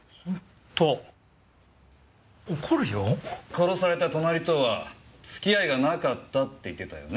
殺された隣とは付き合いがなかったって言ってたよね？